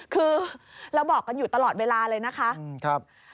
คือเราบอกกันอยู่ตลอดเวลาเลยนะคะ